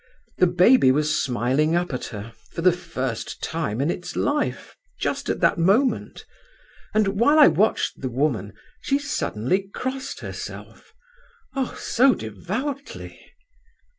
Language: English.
The baby was smiling up at her, for the first time in its life, just at that moment; and while I watched the woman she suddenly crossed herself, oh, so devoutly!